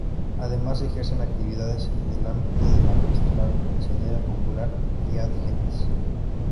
Además ejercen actividades en el ámbito de la pastoral misionera popular y "ad gentes".